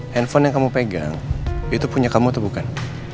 handphone yang kamu pegang itu punya kamu atau bukan